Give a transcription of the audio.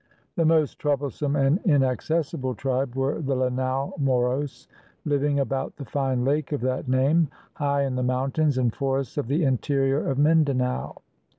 The most troublesome and inaccessible tribe were the Lanao Moros, living about the fine lake of that name, high in the mountains and forests of the interior of Mindanao.